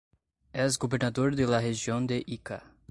Es gobernador de la región de Ica.